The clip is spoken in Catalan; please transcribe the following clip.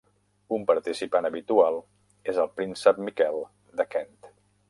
Un participant habitual és el príncep Miquel de Kent.